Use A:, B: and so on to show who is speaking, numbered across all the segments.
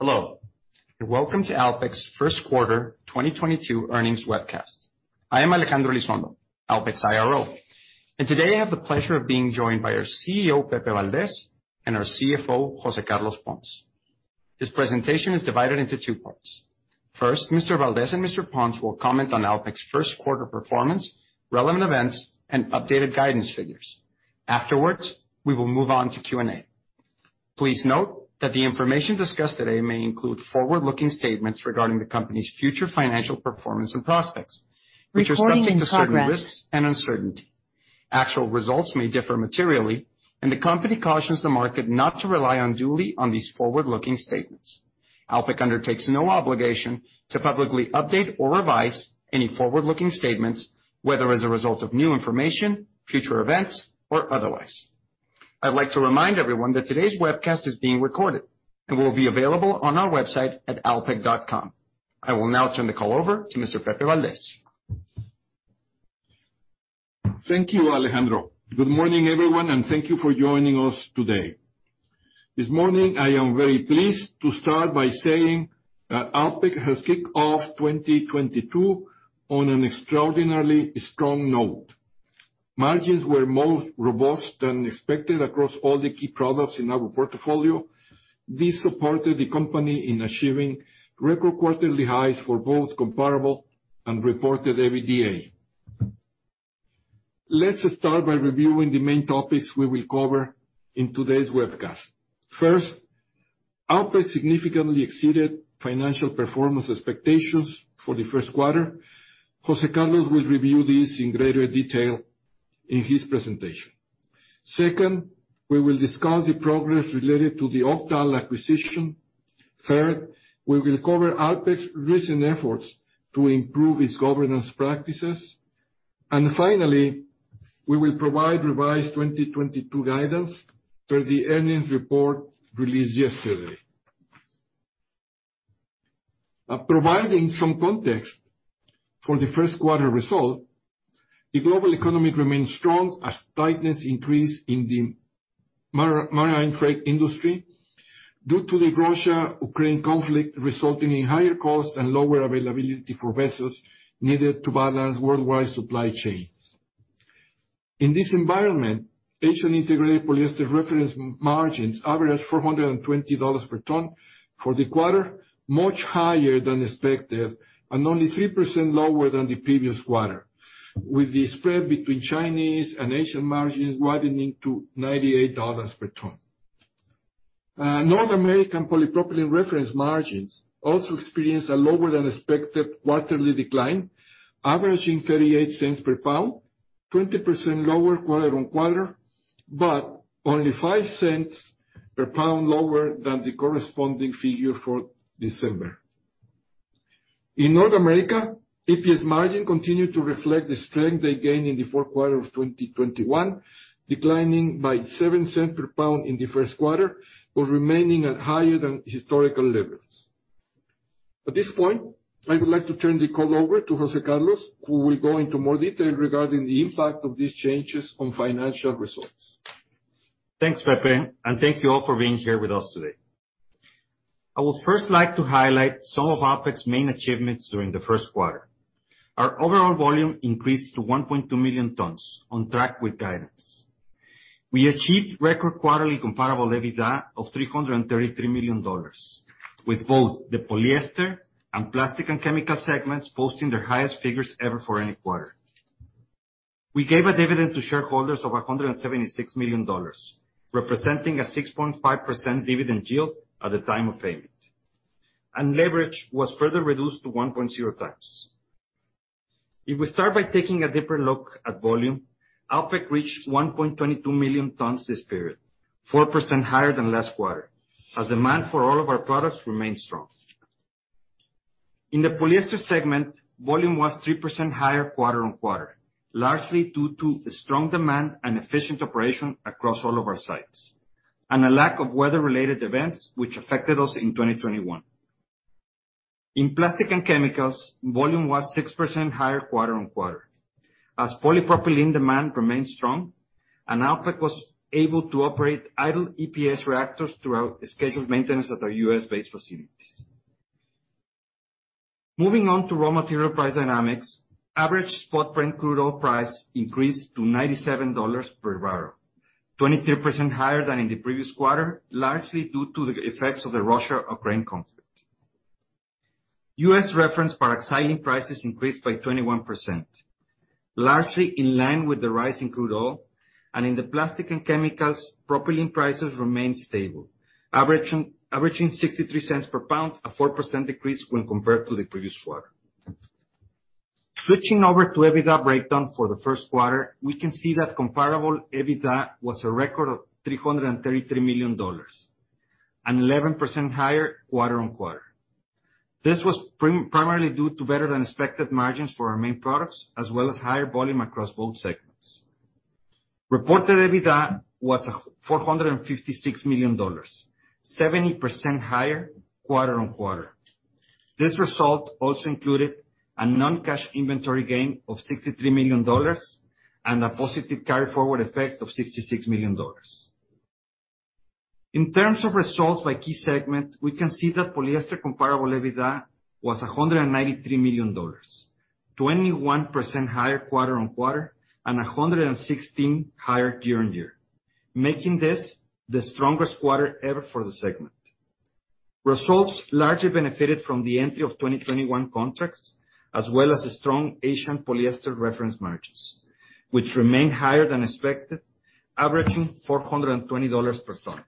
A: Hello, and welcome to Alpek's first quarter 2022 earnings webcast. I am Alejandro Elizondo, Alpek's IRO. Today, I have the pleasure of being joined by our CEO, Pepe Valdez, and our CFO, José Carlos Pons. This presentation is divided into two parts. First, Mr. Valdez and Mr. Pons will comment on Alpek's first quarter performance, relevant events, and updated guidance figures. Afterwards, we will move on to Q&A. Please note that the information discussed today may include forward-looking statements regarding the company's future financial performance and prospects. Which are subject to certain risks and uncertainty. Actual results may differ materially, and the company cautions the market not to rely unduly on these forward-looking statements. Alpek undertakes no obligation to publicly update or revise any forward-looking statements, whether as a result of new information, future events, or otherwise. I'd like to remind everyone that today's webcast is being recorded and will be available on our website at alpek.com. I will now turn the call over to Mr. Pepe Valdez.
B: Thank you, Alejandro. Good morning, everyone, and thank you for joining us today. This morning, I am very pleased to start by saying that Alpek has kicked off 2022 on an extraordinarily strong note. Margins were more robust than expected across all the key products in our portfolio. This supported the company in achieving record quarterly highs for both comparable and reported EBITDA. Let's start by reviewing the main topics we will cover in today's webcast. First, Alpek significantly exceeded financial performance expectations for the first quarter. José Carlos will review this in greater detail in his presentation. Second, we will discuss the progress related to the Octal acquisition. Third, we will cover Alpek's recent efforts to improve its governance practices. Finally, we will provide revised 2022 guidance per the earnings report released yesterday. Providing some context for the first quarter result, the global economy remains strong as tightness increase in the marine freight industry due to the Russia-Ukraine conflict, resulting in higher costs and lower availability for vessels needed to balance worldwide supply chains. In this environment, Asian integrated polyester reference margins averaged $420 per ton for the quarter, much higher than expected and only 3% lower than the previous quarter, with the spread between Chinese and Asian margins widening to $98 per ton. North American polypropylene reference margins also experienced a lower than expected quarterly decline, averaging $0.38 per pound, 20% lower quarter-on-quarter, but only $0.05 per pound lower than the corresponding figure for December. In North America, EPS margin continued to reflect the strength they gained in the fourth quarter of 2021, declining by $0.07 per pound in the first quarter, but remaining at higher than historical levels. At this point, I would like to turn the call over to José Carlos, who will go into more detail regarding the impact of these changes on financial results.
C: Thanks, Pepe, and thank you all for being here with us today. I would first like to highlight some of Alpek's main achievements during the first quarter. Our overall volume increased to 1.2 million tons, on track with guidance. We achieved record quarterly comparable EBITDA of $333 million, with both the polyester and plastics and chemicals segments posting their highest figures ever for any quarter. We gave a dividend to shareholders of $176 million, representing a 6.5% dividend yield at the time of payment. Leverage was further reduced to 1.0 times. If we start by taking a deeper look at volume, Alpek reached 1.22 million tons this period, 4% higher than last quarter, as demand for all of our products remained strong. In the Polyester segment, volume was 3% higher quarter-on-quarter, largely due to strong demand and efficient operation across all of our sites, and a lack of weather-related events which affected us in 2021. In Plastics and Chemicals, volume was 6% higher quarter-on-quarter as polypropylene demand remained strong and Alpek was able to operate idle EPS reactors throughout scheduled maintenance at our U.S.-based facilities. Moving on to raw material price dynamics, average spot Brent crude oil price increased to $97 per barrel, 23% higher than in the previous quarter, largely due to the effects of the Russia-Ukraine conflict. U.S. reference paraxylene prices increased by 21%, largely in line with the rise in crude oil. In Plastics and Chemicals, propylene prices remained stable, averaging $0.63 per pound, a 4% decrease when compared to the previous quarter. Switching over to EBITDA breakdown for the first quarter, we can see that comparable EBITDA was a record of $333 million, and 11% higher quarter-over-quarter. This was primarily due to better than expected margins for our main products, as well as higher volume across both segments. Reported EBITDA was $456 million, 70% higher quarter-over-quarter. This result also included a non-cash inventory gain of $63 million and a positive carry forward effect of $66 million. In terms of results by key segment, we can see that polyester comparable EBITDA was $193 million, 21% higher quarter-over-quarter and 116% higher year-over-year, making this the strongest quarter ever for the segment. Results largely benefited from the entry of 2021 contracts as well as the strong Asian polyester reference margins, which remain higher than expected, averaging $420 per ton.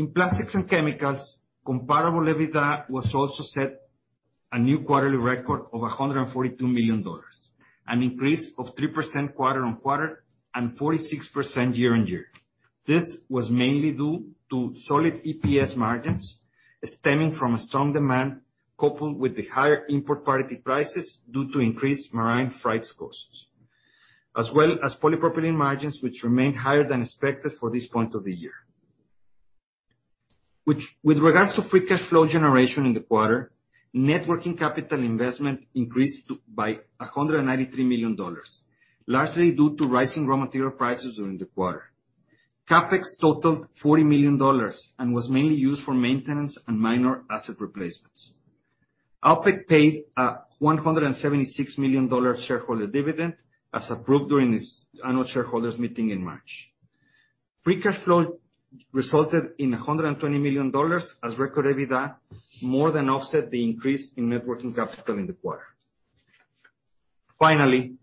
C: In plastics and chemicals, comparable EBITDA also set a new quarterly record of $142 million, an increase of 3% quarter-over-quarter and 46% year-over-year. This was mainly due to solid EPS margins stemming from a strong demand, coupled with the higher import parity prices due to increased marine freight costs, as well as polypropylene margins, which remain higher than expected for this point of the year. With regards to free cash flow generation in the quarter, net working capital investment increased by $193 million, largely due to rising raw material prices during the quarter. CapEx totaled $40 million and was mainly used for maintenance and minor asset replacements. Alpek paid $176 million shareholder dividend as approved during this annual shareholders meeting in March. Free cash flow resulted in $120 million as record EBITDA more than offset the increase in net working capital in the quarter. Finally,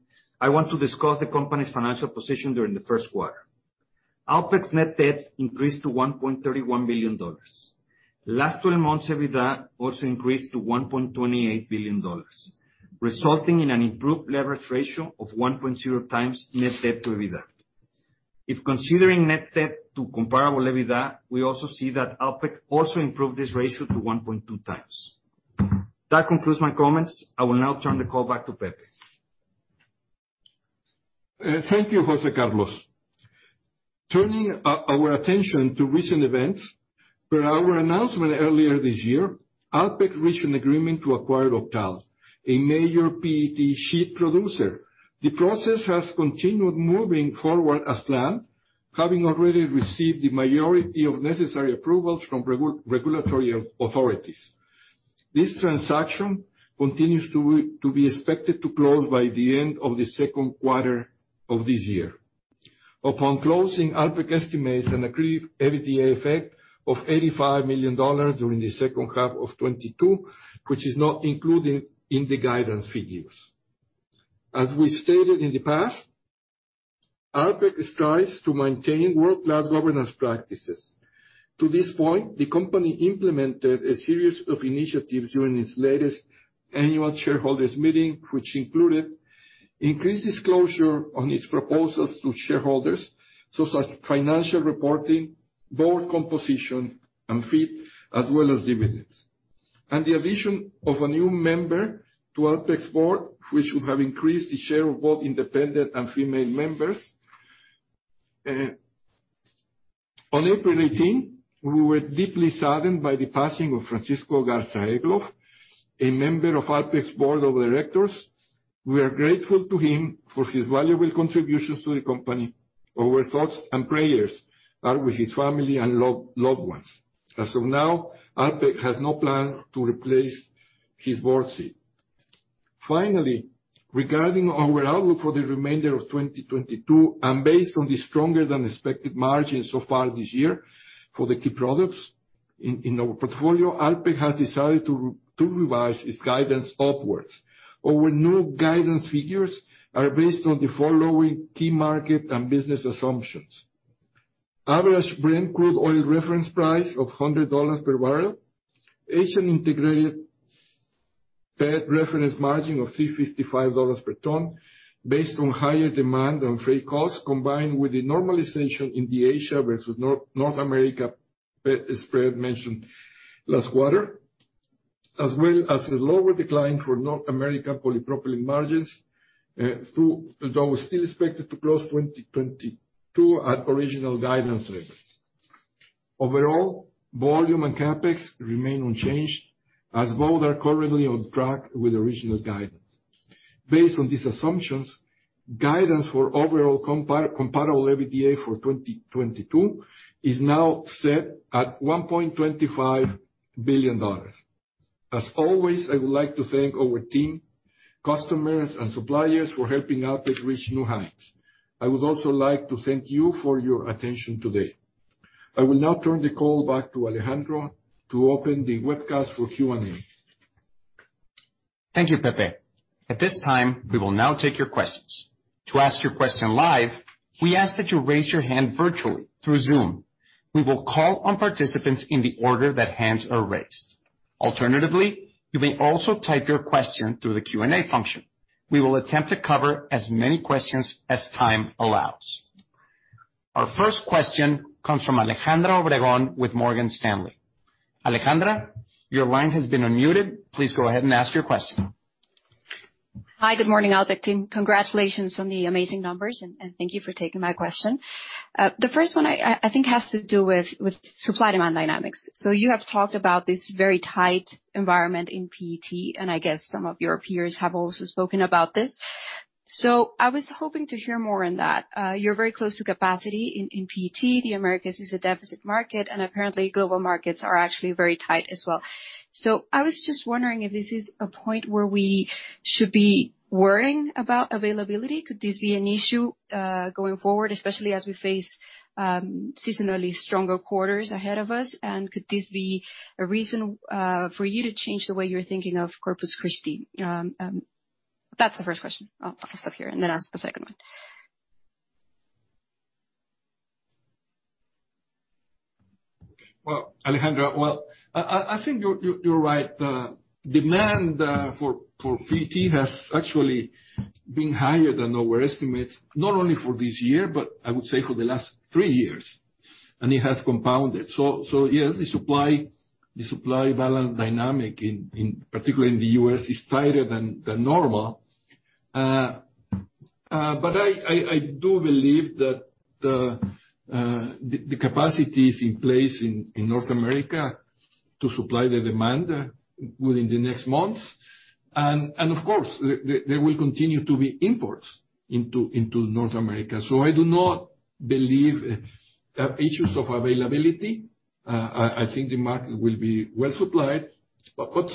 C: I want to discuss the company's financial position during the first quarter. Alpek's net debt increased to $1.31 billion. Last twelve months EBITDA also increased to $1.28 billion, resulting in an improved leverage ratio of 1.0x net debt to EBITDA. If considering net debt to comparable EBITDA, we also see that Alpek also improved this ratio to 1.2x. That concludes my comments. I will now turn the call back to Pepe.
B: Thank you, José Carlos. Turning our attention to recent events, per our announcement earlier this year, Alpek reached an agreement to acquire Octal, a major PET sheet producer. The process has continued moving forward as planned, having already received the majority of necessary approvals from regulatory authorities. This transaction continues to be expected to close by the end of the second quarter of this year. Upon closing, Alpek estimates an accretive EBITDA effect of $85 million during the second half of 2022, which is not included in the guidance figures. As we stated in the past, Alpek strives to maintain world-class governance practices. To this point, the company implemented a series of initiatives during its latest annual shareholders meeting, which included increased disclosure on its proposals to shareholders such as financial reporting, board composition, and fees, as well as dividends. The addition of a new member to Alpek's board, which would have increased the share of both independent and female members. On April 18, we were deeply saddened by the passing of Francisco Garza Egloff, a member of Alpek's board of directors. We are grateful to him for his valuable contributions to the company. Our thoughts and prayers are with his family and loved ones. As of now, Alpek has no plan to replace his board seat. Finally, regarding our outlook for the remainder of 2022, and based on the stronger than expected margins so far this year for the key products in our portfolio, Alpek has decided to revise its guidance upwards. Our new guidance figures are based on the following key market and business assumptions. Average Brent crude oil reference price of $100 per barrel. Asian integrated PET reference margin of $355 per ton based on higher demand and freight costs, combined with the normalization in the Asia versus North America spread mentioned last quarter, as well as a lower decline for North America polypropylene margins, although still expected to close 2022 at original guidance levels. Overall, volume and CapEx remain unchanged as both are currently on track with original guidance. Based on these assumptions, guidance for overall comparable EBITDA for 2022 is now set at $1.25 billion. As always, I would like to thank our team, customers, and suppliers for helping Alpek reach new heights. I would also like to thank you for your attention today. I will now turn the call back to Alejandro to open the webcast for Q&A.
A: Thank you, Pepe. At this time, we will now take your questions. To ask your question live, we ask that you raise your hand virtually through Zoom. We will call on participants in the order that hands are raised. Alternatively, you may also type your question through the Q&A function. We will attempt to cover as many questions as time allows. Our first question comes from Alejandra Obregón with Morgan Stanley. Alejandra, your line has been unmuted. Please go ahead and ask your question.
D: Hi, good morning, Alpek. Congratulations on the amazing numbers, and thank you for taking my question. The first one I think has to do with supply-demand dynamics. You have talked about this very tight environment in PET, and I guess some of your peers have also spoken about this. I was hoping to hear more on that. You're very close to capacity in PET. The Americas is a deficit market, and apparently global markets are actually very tight as well. I was just wondering if this is a point where we should be worrying about availability. Could this be an issue going forward, especially as we face seasonally stronger quarters ahead of us? Could this be a reason for you to change the way you're thinking of Corpus Christi? That's the first question. I'll stop here and then ask the second one.
B: Well, Alejandra, I think you're right. The demand for PET has actually been higher than our estimates, not only for this year, but I would say for the last three years. It has compounded. Yes, the supply balance dynamic in particular in the U.S. is tighter than normal. But I do believe that the capacity is in place in North America to supply the demand within the next months. Of course, there will continue to be imports into North America. I do not believe issues of availability. I think the market will be well supplied.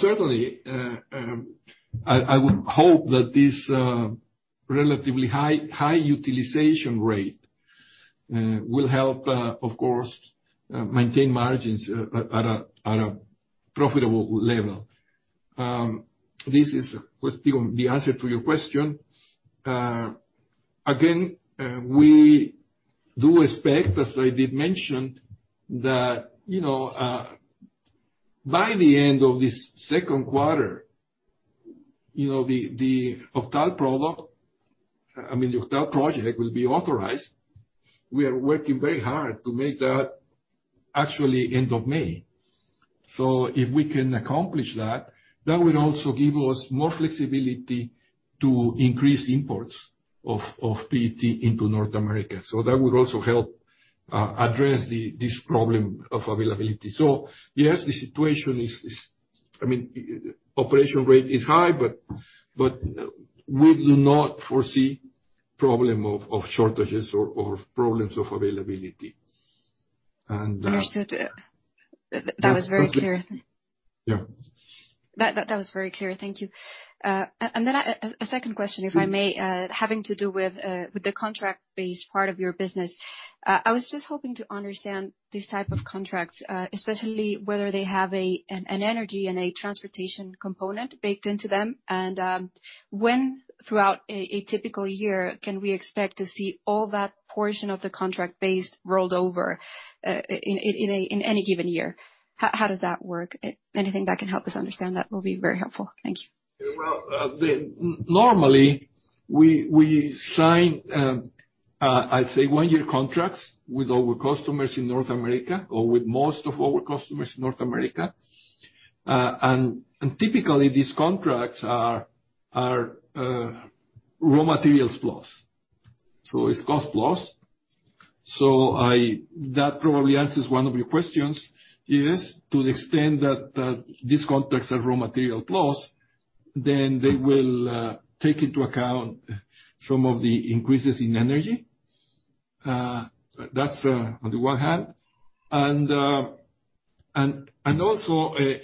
B: Certainly, I would hope that this relatively high utilization rate will help, of course, maintain margins at a profitable level. This was the answer to your question. Again, we do expect, as I did mention, that you know, by the end of this second quarter, you know, the OCTAL product, I mean, the OCTAL project will be authorized. We are working very hard to make that actually end of May. If we can accomplish that would also give us more flexibility to increase imports of PET into North America. That would also help address this problem of availability. Yes, the situation is, I mean, operation rate is high, but we do not foresee problem of shortages or problems of availability.
D: Understood. That was very clear.
B: Yeah.
D: That was very clear. Thank you. A second question, if I may, having to do with the contract-based part of your business. I was just hoping to understand these type of contracts, especially whether they have an energy and a transportation component baked into them. When throughout a typical year can we expect to see all that portion of the contract base rolled over, in any given year? How does that work? Anything that can help us understand that will be very helpful. Thank you.
B: Well, normally, we sign, I'd say one-year contracts with our customers in North America or with most of our customers in North America. Typically these contracts are raw materials plus. It's cost plus. That probably answers one of your questions. Yes, to the extent that these contracts are raw material plus, then they will take into account some of the increases in energy. That's on the one hand.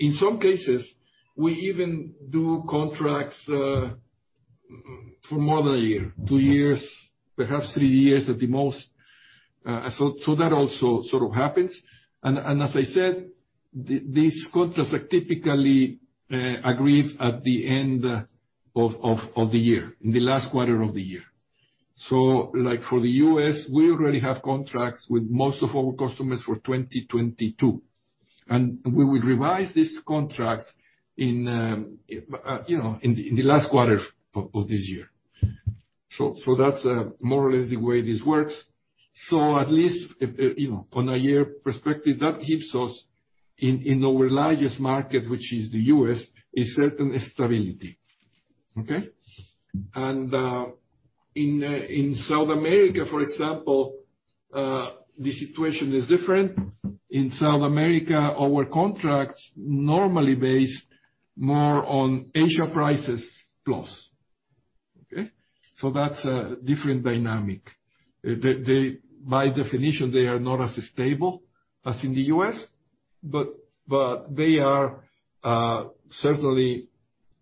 B: In some cases, we even do contracts for more than a year, two years, perhaps three years at the most. That also sort of happens. As I said, these contracts are typically agreed at the end of the year, in the last quarter of the year. Like for the U.S., we already have contracts with most of our customers for 2022, and we will revise these contracts in the last quarter of this year. That's more or less the way this works. At least on a year perspective, that gives us in our largest market, which is the U.S., a certain stability. Okay. In South America, for example, the situation is different. In South America, our contracts normally based more on Asia prices plus. Okay. That's a different dynamic. By definition, they are not as stable as in the U.S., but they are certainly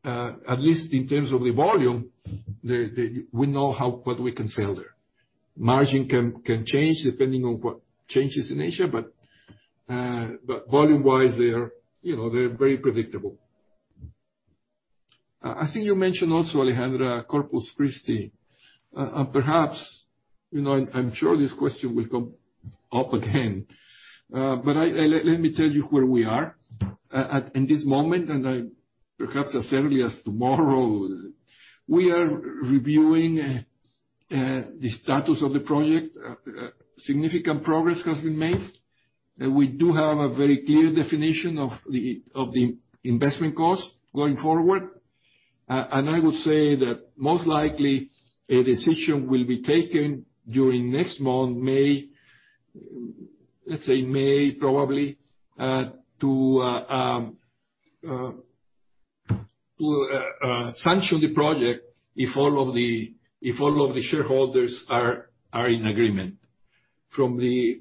B: at least in terms of the volume, we know what we can sell there. Margin can change depending on what changes in Asia, but volume-wise, they are, you know, very predictable. I think you mentioned also, Alejandra, Corpus Christi. Perhaps, you know, I'm sure this question will come up again. Let me tell you where we are at, in this moment, and perhaps as early as tomorrow, we are reviewing the status of the project. Significant progress has been made, and we do have a very clear definition of the investment costs going forward. I would say that most likely a decision will be taken during next month, May. Let's say May probably, to sanction the project if all of the shareholders are in agreement. From the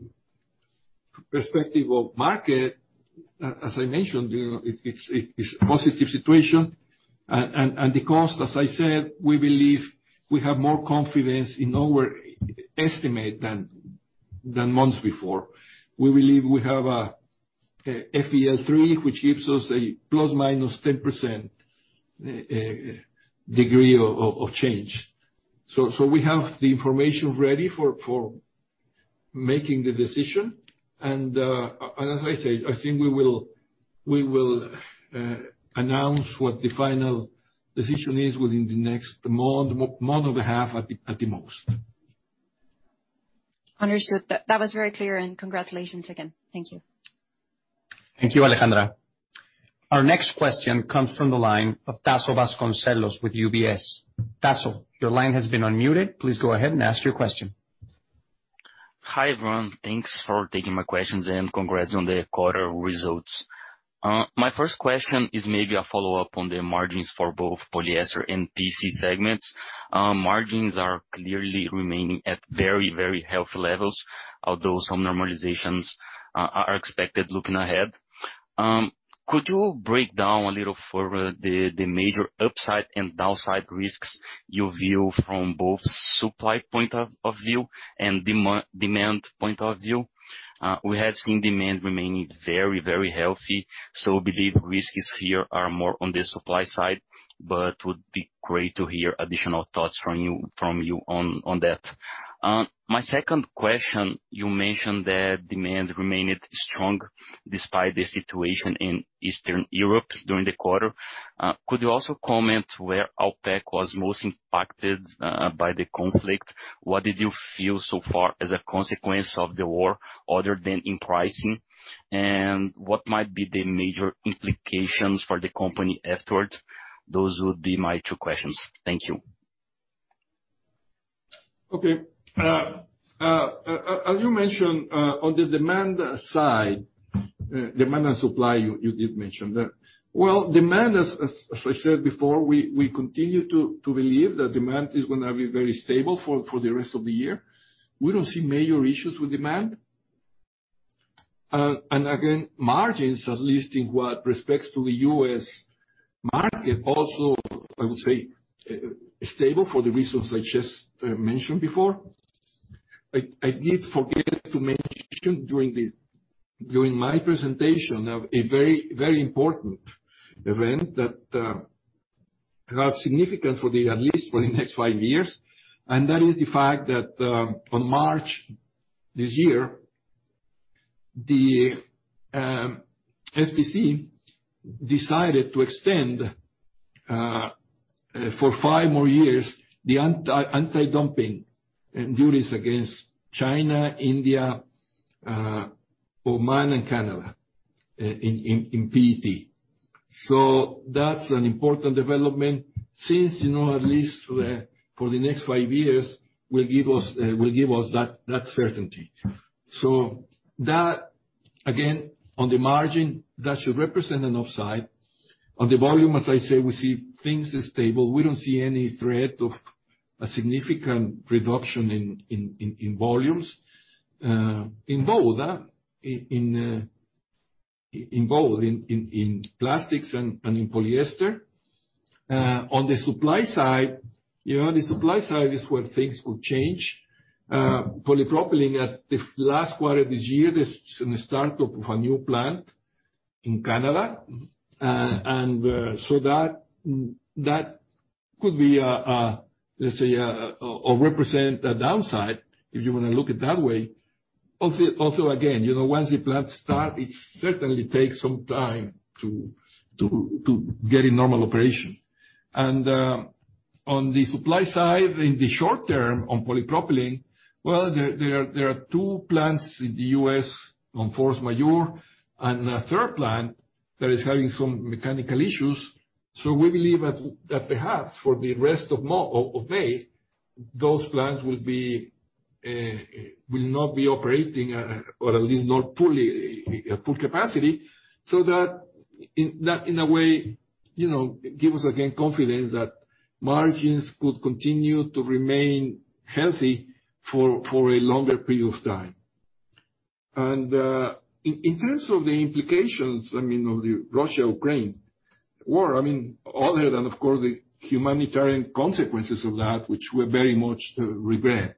B: perspective of the market, as I mentioned, you know, it's a positive situation. The cost, as I said, we believe we have more confidence in our estimate than months before. We believe we have a FEL3, which gives us a ±10% degree of change. We have the information ready for making the decision. As I said, I think we will announce what the final decision is within the next month and a half at the most.
D: Understood. That was very clear, and congratulations again. Thank you.
A: Thank you, Alejandra. Our next question comes from the line of Tasso Vasconcellos with UBS. Tasso, your line has been unmuted. Please go ahead and ask your question.
E: Hi, everyone. Thanks for taking my questions, and congrats on the quarter results. My first question is maybe a follow-up on the margins for both polyester and P&C segments. Margins are clearly remaining at very, very healthy levels, although some normalizations are expected looking ahead. Could you break down a little further the major upside and downside risks you view from both supply point of view and demand point of view? We have seen demand remaining very, very healthy, so believe risks here are more on the supply side, but would be great to hear additional thoughts from you on that. My second question, you mentioned that demand remained strong despite the situation in Eastern Europe during the quarter. Could you also comment where Alpek was most impacted by the conflict? What did you feel so far as a consequence of the war, other than in pricing? What might be the major implications for the company afterwards? Those would be my two questions. Thank you.
B: As you mentioned, on the demand side, demand and supply you did mention there. Well, demand as I said before, we continue to believe that demand is gonna be very stable for the rest of the year. We don't see major issues with demand. And again, margins, at least in what respects to the U.S. market also, I would say, stable for the reasons I just mentioned before. I did forget to mention during my presentation of a very important event that have significant for at least the next five years, and that is the fact that, on March this year, the ITC decided to extend for five more years the anti-dumping duties against China, India, Oman, and Canada in PET. That's an important development since at least for the next five years will give us that certainty. That again, on the margin, that should represent an upside. On the volume, as I say, we see things as stable. We don't see any threat of a significant reduction in volumes in both plastics and polyester. On the supply side, the supply side is where things could change. Polypropylene in the last quarter of this year, this is the start-up of a new plant in Canada. That could be, let's say, or represent a downside, if you wanna look at it that way. Also, again, you know, once the plants start, it certainly takes some time to get in normal operation. On the supply side, in the short term, on polypropylene, well, there are two plants in the U.S. on force majeure, and a third plant that is having some mechanical issues. We believe that perhaps for the rest of May, those plants will not be operating, or at least not fully full capacity. That in a way, you know, give us again confidence that margins could continue to remain healthy for a longer period of time. In terms of the implications, I mean, of the Russia-Ukraine war, I mean, other than, of course, the humanitarian consequences of that, which we very much regret.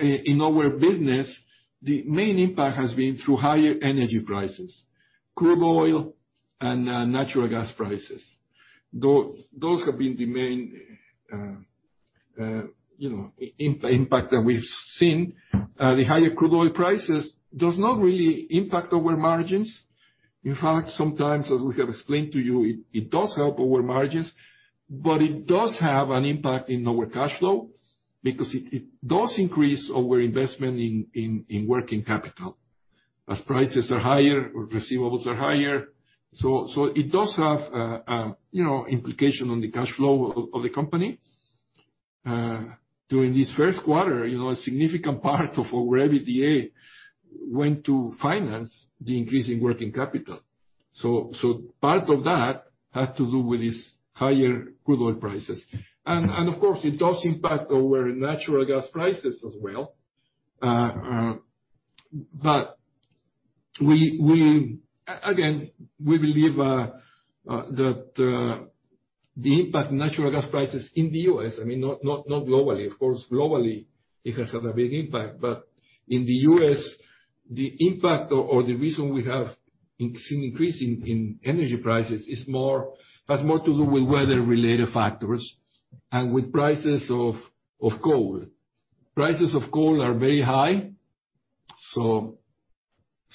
B: In our business, the main impact has been through higher energy prices, crude oil and natural gas prices. Those have been the main, you know, impact that we've seen. The higher crude oil prices does not really impact our margins. In fact, sometimes, as we have explained to you, it does help our margins, but it does have an impact in our cash flow because it does increase our investment in working capital. As prices are higher, receivables are higher. It does have, you know, implication on the cash flow of the company. During this first quarter, you know, a significant part of our EBITDA went to finance the increase in working capital. Part of that had to do with these higher crude oil prices. Of course, it does impact our natural gas prices as well. We believe that the impact natural gas prices in the US, I mean, not globally, of course, globally, it has had a big impact. In the U.S, the impact or the reason we have seen increase in energy prices has more to do with weather-related factors and with prices of coal. Prices of coal are very high, so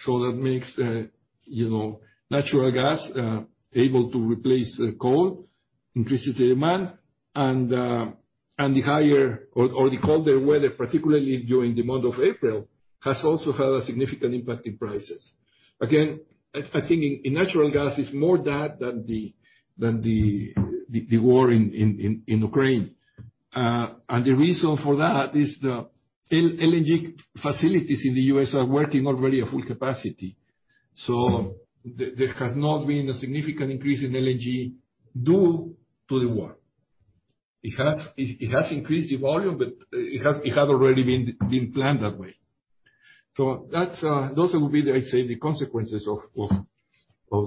B: that makes, you know, natural gas able to replace the coal, increases the demand. The higher or the colder weather, particularly during the month of April, has also had a significant impact in prices. Again, I think in natural gas, it's more that than the war in Ukraine. The reason for that is the LNG facilities in the U.S. are working already at full capacity. There has not been a significant increase in LNG due to the war. It has increased the volume, but it had already been planned that way. That's those will be the, I say, the consequences of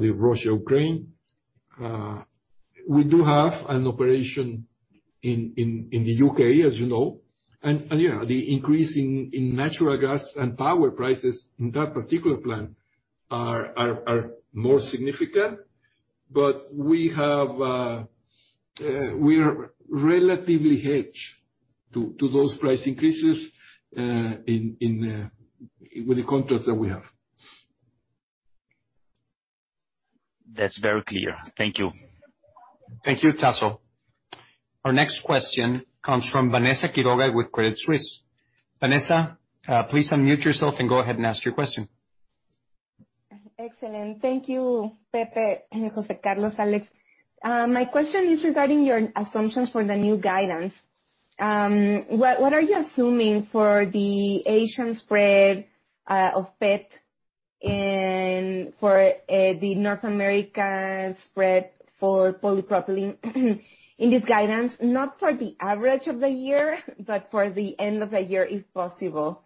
B: the Russia-Ukraine. We do have an operation in the U.K., as you know. You know, the increase in natural gas and power prices in that particular plant are more significant. We are relatively hedged to those price increases in with the contracts that we have.
E: That's very clear. Thank you.
A: Thank you, Tasso. Our next question comes from Vanessa Quiroga with Credit Suisse. Vanessa, please unmute yourself and go ahead and ask your question.
F: Excellent. Thank you, Pepe, José Carlos, Alex. My question is regarding your assumptions for the new guidance. What are you assuming for the Asian spread of PET and for the North American spread for polypropylene in this guidance? Not for the average of the year, but for the end of the year, if possible.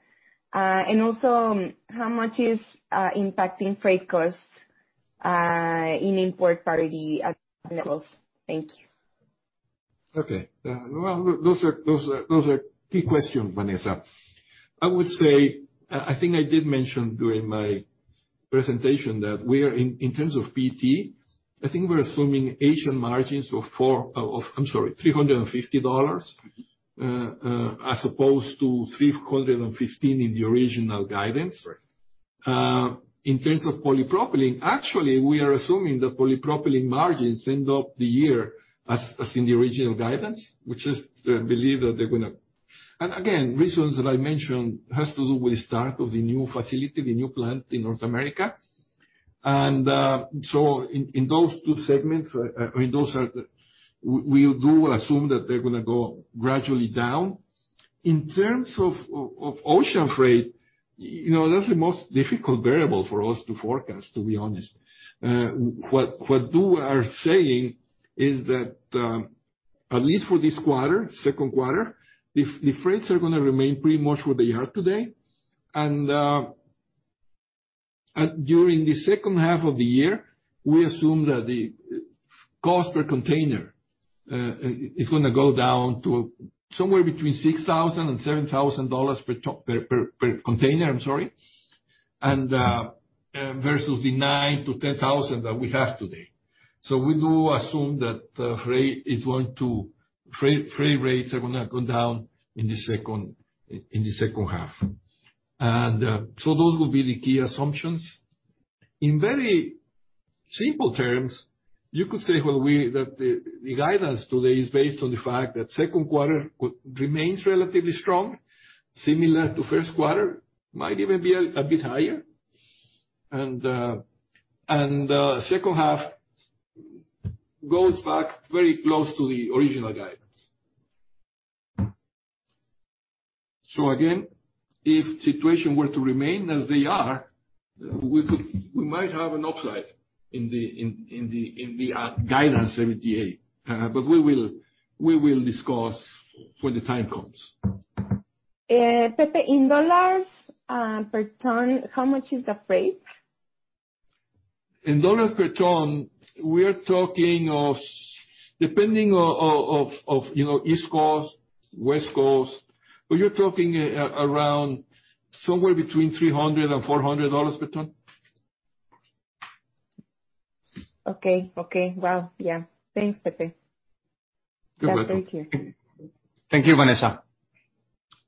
F: And also, how much is impacting freight costs in import parity at levels? Thank you.
G: Okay. Well, those are key questions, Vanessa. I would say, I think I did mention during my presentation that we are in terms of PET, I think we're assuming Asian margins of $350, I'm sorry, as opposed to $315 in the original guidance.
B: In terms of polypropylene, actually, we are assuming the polypropylene margins end up the year as in the original guidance, which is the belief that they're gonna. Again, reasons that I mentioned has to do with the start of the new facility, the new plant in North America. In those two segments, I mean, we do assume that they're gonna go gradually down. In terms of ocean freight, you know, that's the most difficult variable for us to forecast, to be honest. What they are saying is that at least for this quarter, second quarter, the freights are gonna remain pretty much where they are today. During the second half of the year, we assume that the cost per container is gonna go down to somewhere between $6,000-$7,000 per container, I'm sorry. Versus the $9,000-$10,000 that we have today. We do assume that the freight rates are gonna go down in the second half. Those will be the key assumptions. In very simple terms, you could say that the guidance today is based on the fact that second quarter remains relatively strong, similar to first quarter, might even be a bit higher. Second half goes back very close to the original guidance. Again, if situation were to remain as they are, we might have an upside in the guidance of the year. We will discuss when the time comes.
H: Pepe, in dollars, per ton, how much is the freight?
G: In $ per ton, we are talking of depending on, you know, East Coast, West Coast, but you're talking around somewhere between $300 and $400 per ton.
H: Okay. Well, yeah. Thanks, Pepe.
F: Yeah, thank you.
A: Thank you, Vanessa.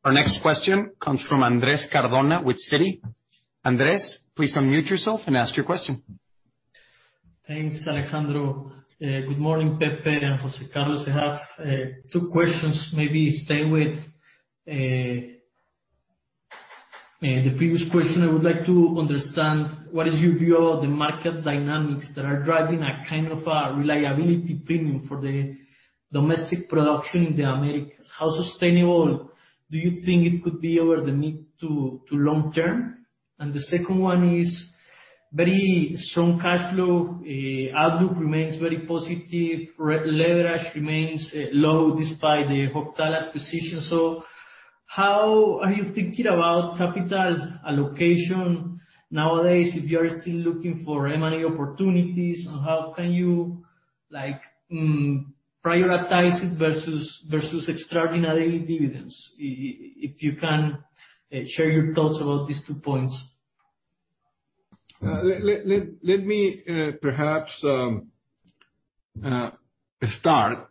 A: Our next question comes from Andrés Cardona with Citi. Andrés, please unmute yourself and ask your question.
I: Thanks, Alejandro. Good morning, Pepe and José Carlos. I have two questions, maybe stay with the previous question. I would like to understand what is your view of the market dynamics that are driving a kind of a reliability premium for the domestic production in the Americas. How sustainable do you think it could be over the mid to long term? The second one is very strong cash flow outlook remains very positive. Re-leverage remains low despite the Octal acquisition. So how are you thinking about capital allocation nowadays, if you are still looking for M&A opportunities? Or how can you, like, prioritize it versus extraordinary dividends? If you can share your thoughts about these two points.
G: Let me perhaps start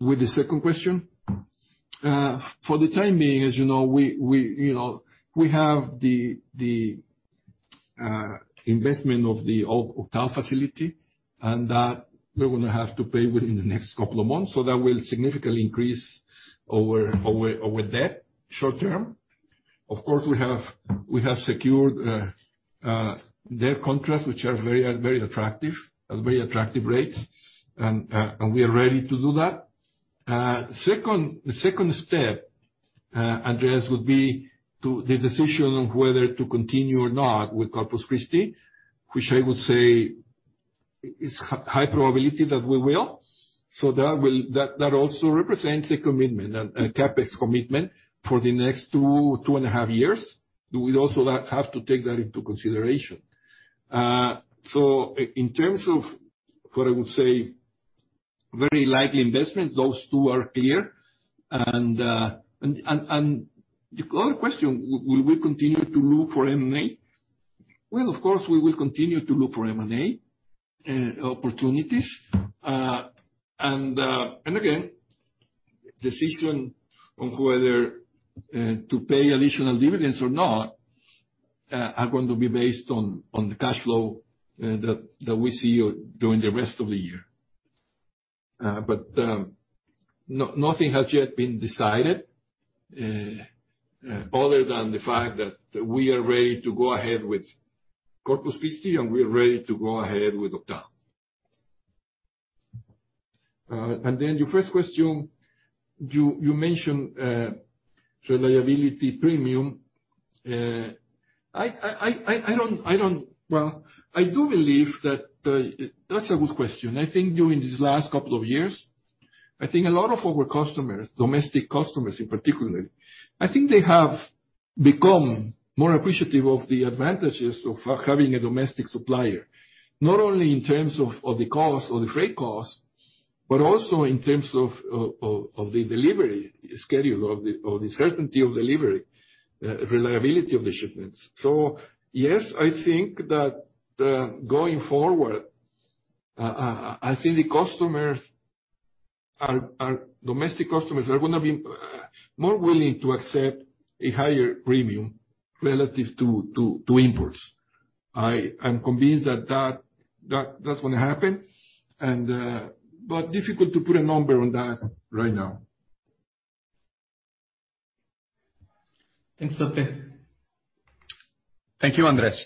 G: with the second question. For the time being, as you know, you know, we have the investment of the Octal facility, and that we're gonna have to pay within the next couple of months. That will significantly increase our debt short term. Of course, we have secured their contracts, which are very attractive at very attractive rates.
B: We are ready to do that. The second step, Andrés, would be the decision on whether to continue or not with Corpus Christi, which I would say is high probability that we will. That will. That also represents a commitment and CapEx commitment for the next two and a half years. We also have to take that into consideration. In terms of what I would say very likely investments, those two are clear. The other question, will we continue to look for M&A? Well, of course we will continue to look for M&A opportunities. Decision on whether to pay additional dividends or not are going to be based on the cash flow that we see during the rest of the year. Nothing has yet been decided other than the fact that we are ready to go ahead with Corpus Christi, and we are ready to go ahead with Octal. Your first question, you mentioned reliability premium. Well, I do believe that's a good question. I think during these last couple of years, I think a lot of our customers, domestic customers in particular, I think they have become more appreciative of the advantages of having a domestic supplier. Not only in terms of the cost or the freight cost, but also in terms of the delivery schedule or the certainty of delivery, reliability of the shipments. Yes, I think that, going forward, Domestic customers are gonna be more willing to accept a higher premium relative to imports. I am convinced that that's gonna happen and, but difficult to put a number on that right now.
I: Thanks, Pepe.
A: Thank you, Andrés.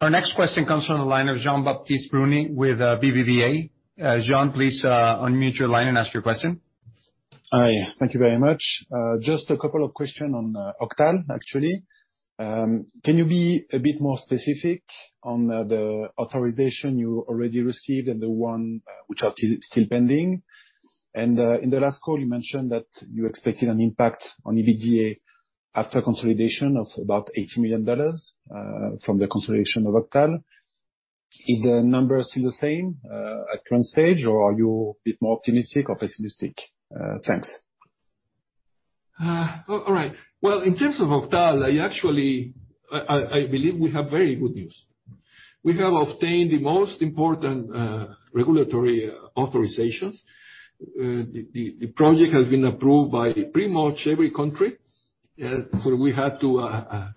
A: Our next question comes from the line of Jean-Baptiste Bruny with BBVA. Jean, please, unmute your line and ask your question.
J: Hi, thank you very much. Just a couple of question on Octal actually. Can you be a bit more specific on the authorization you already received and the one which are still pending? In the last call you mentioned that you expected an impact on EBITDA after consolidation of about $80 million from the consolidation of Octal. Is the number still the same at current stage, or are you a bit more optimistic or pessimistic? Thanks.
B: All right. Well, in terms of Octal, I actually believe we have very good news. We have obtained the most important regulatory authorizations. The project has been approved by pretty much every country where we had to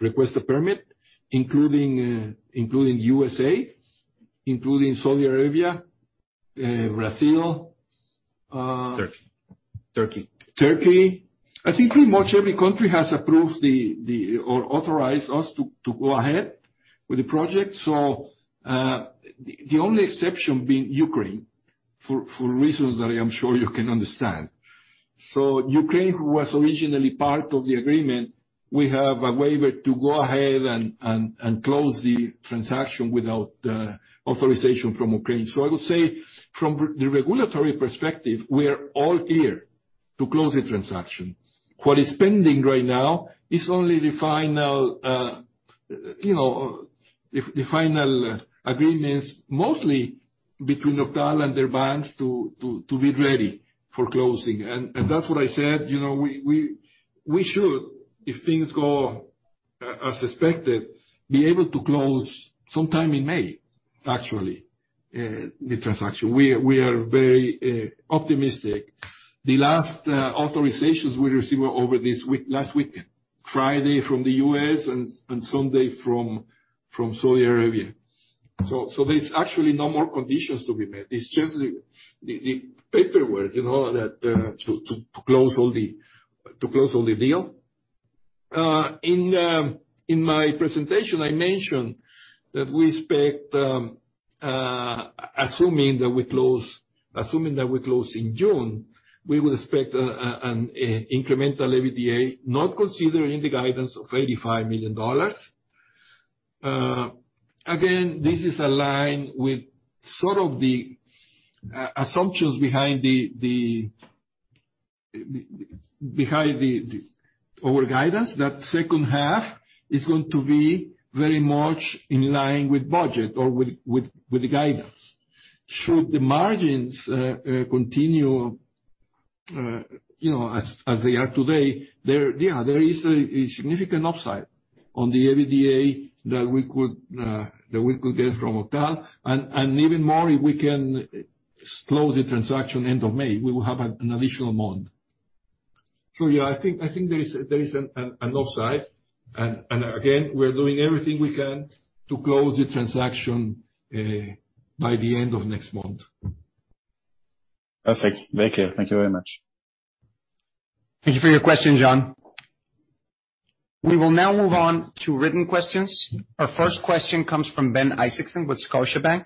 B: request a permit, including USA, Saudi Arabia, Brazil.
A: Turkey.
B: Turkey. I think pretty much every country has approved or authorized us to go ahead with the project. The only exception being Ukraine for reasons that I am sure you can understand. Ukraine, who was originally part of the agreement, we have a waiver to go ahead and close the transaction without authorization from Ukraine. I would say from the regulatory perspective, we're all clear to close the transaction. What is pending right now is only the final, you know, the final agreements, mostly between Octal and their banks to be ready for closing. That's what I said, you know, we should, if things go as expected, be able to close sometime in May, actually, the transaction. We are very optimistic. The last authorizations we received were over this week, last weekend. Friday from the U.S. and Sunday from Saudi Arabia. There's actually no more conditions to be met. It's just the paperwork, you know, that to close all the deal. In my presentation, I mentioned that we expect, assuming that we close in June, we will expect an incremental EBITDA, not considering the guidance of $85 million. Again, this is aligned with sort of the assumptions behind our guidance, that second half is going to be very much in line with budget or with the guidance. Should the margins continue, you know, as they are today, there is a significant upside on the EBITDA that we could get from OCTAL. Even more if we can close the transaction end of May, we will have an additional month. Yeah, I think there is an upside. Again, we're doing everything we can to close the transaction by the end of next month.
J: Perfect. Thank you. Thank you very much.
A: Thank you for your question, Jean. We will now move on to written questions. Our first question comes from Ben Isaacson with Scotiabank.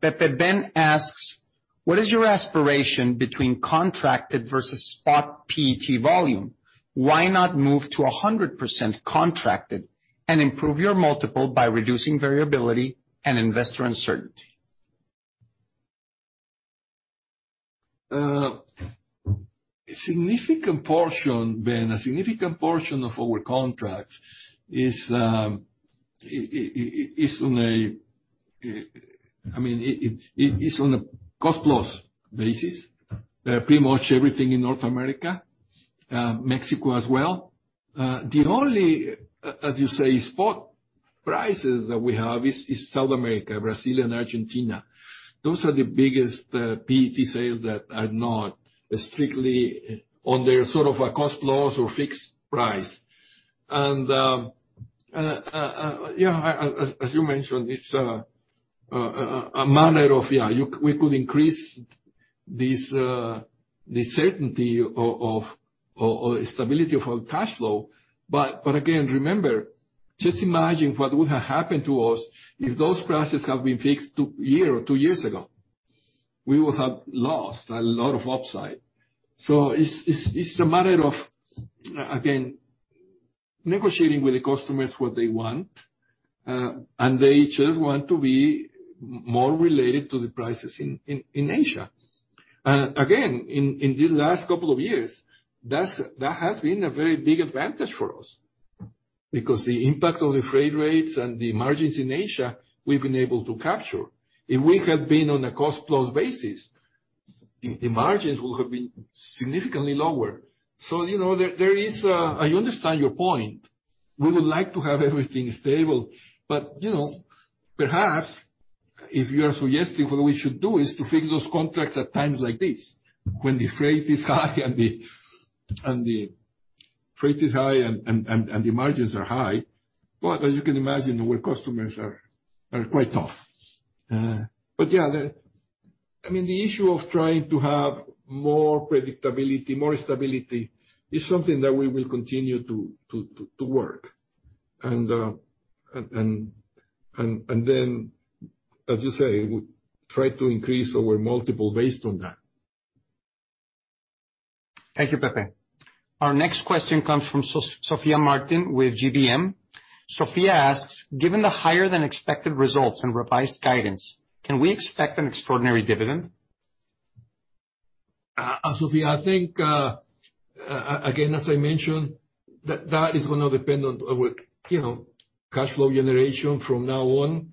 A: Pepe, Ben asks,
K: "What is your aspiration between contracted versus spot PET volume? Why not move to 100% contracted and improve your multiple by reducing variability and investor uncertainty?
B: A significant portion, Ben, of our contracts is, I mean, it is on a cost plus basis. Pretty much everything in North America, Mexico as well. The only, as you say, spot prices that we have is South America, Brazil, and Argentina. Those are the biggest PET sales that are not strictly on their sort of a cost plus or fixed price. As you mentioned, it's a matter of, yeah, we could increase the certainty of, or stability of our cash flow. Again, remember, just imagine what would have happened to us if those prices have been fixed two years ago. We would have lost a lot of upside. It's a matter of again negotiating with the customers what they want. They just want to be more related to the prices in Asia. Again, in the last couple of years, that has been a very big advantage for us because the impact on the freight rates and the margins in Asia, we've been able to capture. If we had been on a cost plus basis, the margins would have been significantly lower. You know, there is a. I understand your point. We would like to have everything stable, but you know, perhaps if you are suggesting what we should do is to fix those contracts at times like this, when the freight is high and the margins are high. You can imagine our customers are quite tough. Yeah. I mean, the issue of trying to have more predictability, more stability is something that we will continue to work and then, as you say, try to increase our multiple based on that.
A: Thank you, Pepe. Our next question comes from Sofía Martín with GBM. Sofía asks,
L: "Given the higher than expected results and revised guidance, can we expect an extraordinary dividend?
B: Sofía, I think, again, as I mentioned, that is gonna depend on our, you know, cash flow generation from now on.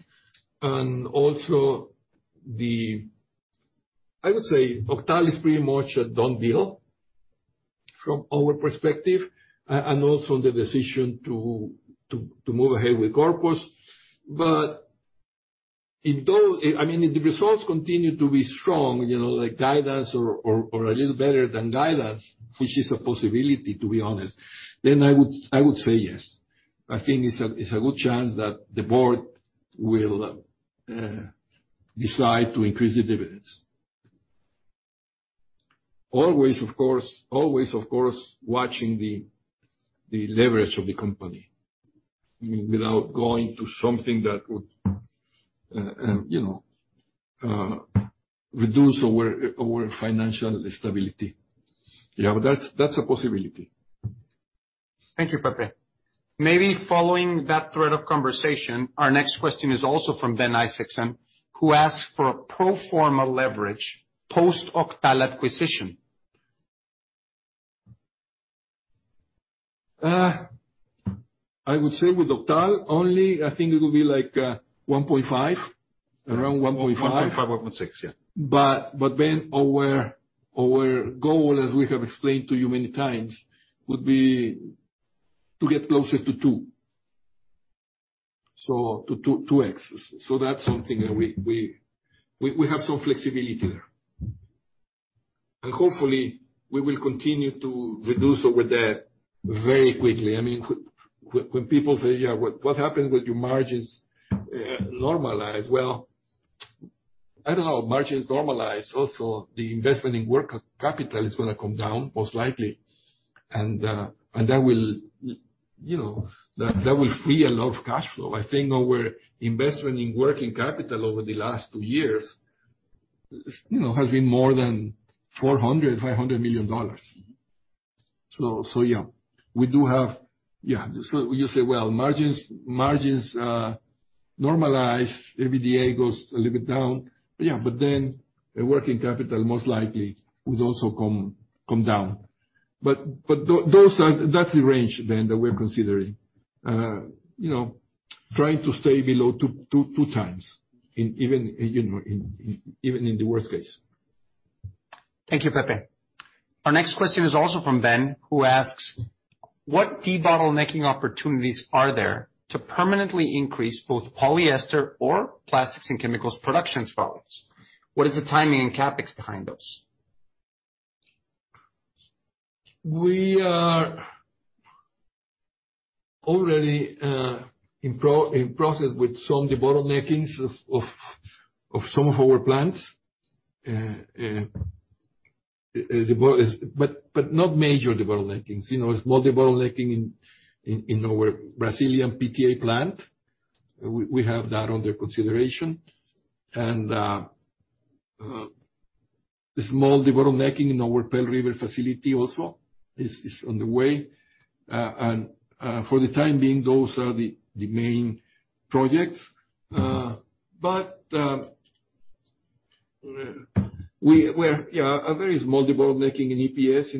B: And also, I would say Octal is pretty much a done deal from our perspective, and also the decision to move ahead with Corpus. If those, I mean, if the results continue to be strong, you know, like guidance or a little better than guidance, which is a possibility, to be honest, then I would say yes. I think it's a good chance that the board will decide to increase the dividends. Always, of course, watching the leverage of the company. I mean, without going to something that would, and, you know, reduce our financial stability. That's a possibility.
A: Thank you, Pepe. Maybe following that thread of conversation, our next question is also from Ben Isaacson, who
K: Asks for a pro forma leverage post-Octal acquisition?
B: I would say with OCTAL only, I think it will be like, 1.5. Around 1.5.
A: 1.5, 1.6. Yeah.
B: Our goal, as we have explained to you many times, would be to get closer to two. To 2x. That's something that we have some flexibility there. Hopefully we will continue to reduce our debt very quickly. I mean, when people say, yeah, what happens with your margins normalize? Well, I don't know. Margins normalize, also the investment in working capital is gonna come down, most likely. And that will, you know, that will free a lot of cash flow. I think our investment in working capital over the last two years, you know, has been more than $400-$500 million. Yeah, we do have. Yeah. You say, well, margins normalize, EBITDA goes a little bit down. The working capital most likely would also come down. Those are. That's the range then that we're considering. You know, trying to stay below two times even in the worst case.
A: Thank you, Pepe. Our next question is also from Ben, who asks, "
K: What debottlenecking opportunities are there to permanently increase both polyester or plastics and chemicals productions volumes? What is the timing and CapEx behind those?
B: We are already in process with some debottleneckings of some of our plants, not major debottleneckings. You know, small debottlenecking in our Brazilian PTA plant. We have that under consideration. The small debottlenecking in our Pearl River facility also is on the way. For the time being, those are the main projects. We're, yeah, there is small debottlenecking in EPS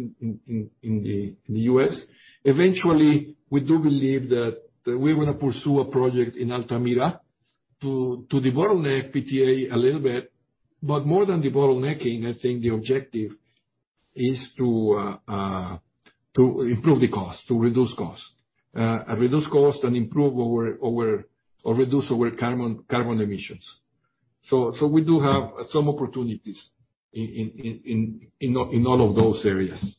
B: in the US. Eventually, we do believe that we will pursue a project in Altamira to debottleneck PTA a little bit. More than debottlenecking, I think the objective is to improve the cost, to reduce costs, reduce cost and improve our or reduce our carbon emissions. We do have some opportunities in all of those areas.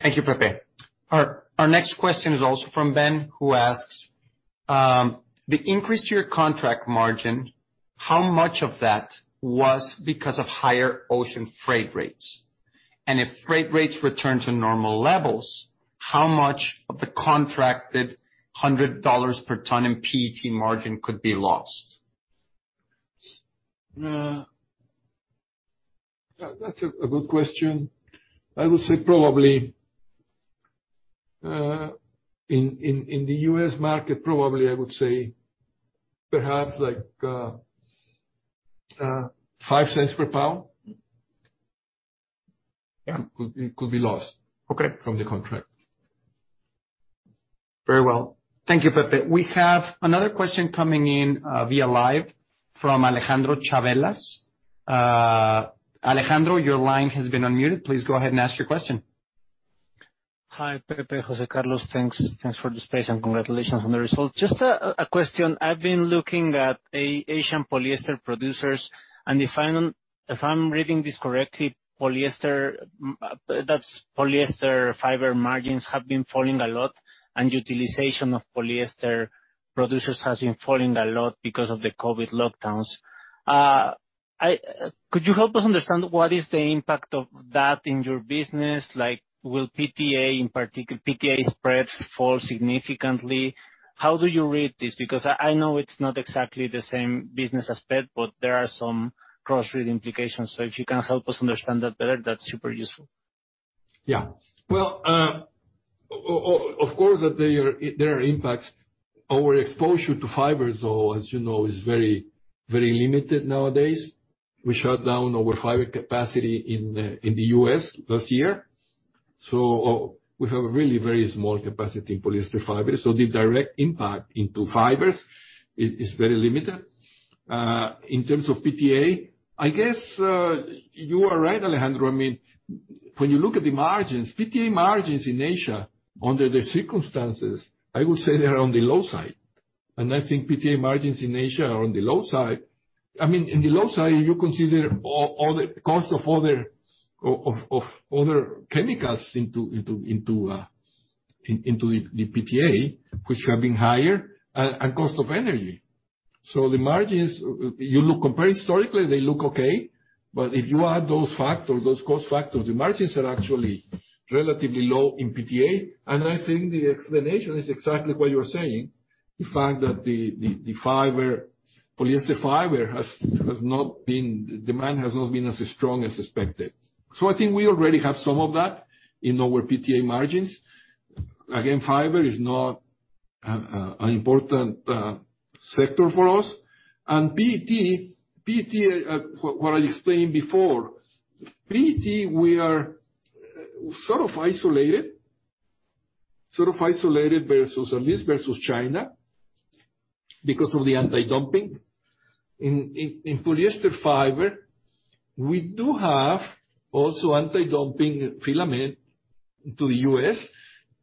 A: Thank you, Pepe. Our next question is also from Ben, who asks, "
K: The increase to your contract margin, how much of that was because of higher ocean freight rates? And if freight rates return to normal levels, how much of the contracted $100 per ton in PET margin could be lost?
B: That's a good question. I would say probably in the U.S. market, perhaps like $0.05 per pound-
A: Yeah.
B: could be lost
A: Okay.
B: from the contract.
A: Very well. Thank you, Pepe. We have another question coming in via live from Alejandro Chavelas. Alejandro, your line has been unmuted. Please go ahead and ask your question.
M: Hi, Pepe, José Carlos. Thanks. Thanks for the space, and congratulations on the results. Just a question. I've been looking at Asian polyester producers, and if I'm reading this correctly, polyester fiber margins have been falling a lot, and utilization of polyester producers has been falling a lot because of the COVID lockdowns. Could you help us understand what is the impact of that in your business? Like, will PTA PTA spreads fall significantly? How do you read this? Because I know it's not exactly the same business as PET, but there are some cross-read implications. If you can help us understand that better, that's super useful.
B: Yeah. Well, of course, there are impacts. Our exposure to fibers, though, as you know, is very, very limited nowadays. We shut down our fiber capacity in the U.S. last year, so we have a really very small capacity in polyester fibers. The direct impact into fibers is very limited. In terms of PTA, I guess you are right, Alejandro. I mean, when you look at the margins, PTA margins in Asia, under the circumstances, I would say they're on the low side. I think PTA margins in Asia are on the low side. I mean, on the low side, you consider all the cost of other chemicals into the PTA, which have been higher and cost of energy. The margins, you look compared historically, they look okay, but if you add those factors, those cost factors, the margins are actually relatively low in PTA. I think the explanation is exactly what you're saying, the fact that the polyester fiber demand has not been as strong as expected. I think we already have some of that in our PTA margins. Again, fiber is not an important sector for us. PET, what I explained before, we are sort of isolated, at least versus China because of the anti-dumping. In polyester fiber, we do have also anti-dumping filament to the US.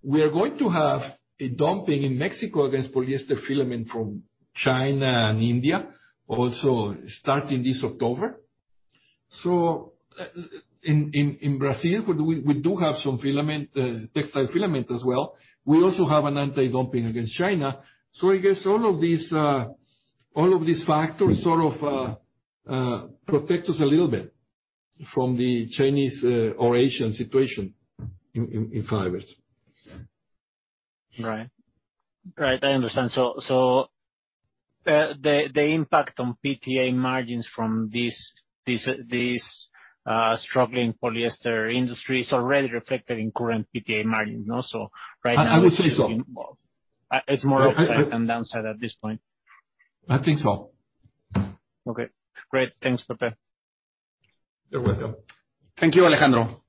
B: We are going to have anti-dumping in Mexico against polyester filament from China and India also starting this October. In Brazil, we have some textile filament as well. We also have an anti-dumping against China. I guess all of these factors sort of protect us a little bit from the Chinese or Asian situation in fibers.
M: Right. I understand. The impact on PTA margins from this struggling polyester industry is already reflected in current PTA margins now, so right now it's just.
B: I would say so.
M: It's more upside than downside at this point.
B: I think so.
M: Okay, great. Thanks, Pepe.
B: You're welcome.
A: Thank you, Alejandro.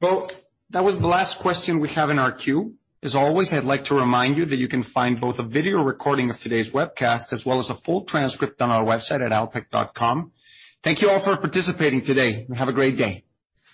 A: Well, that was the last question we have in our queue. As always, I'd like to remind you that you can find both a video recording of today's webcast as well as a full transcript on our website at alpek.com. Thank you all for participating today, and have a great day.